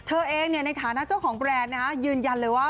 เธอเองในฐานะเจ้าของแบรนด์ยืนยันเลยว่า